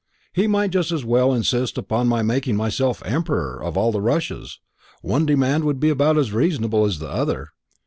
"He might just as well insist upon my making myself Emperor of all the Russias; one demand would be about as reasonable as the other.